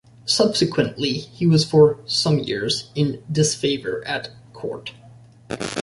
Subsequently he was for some years in disfavour at court.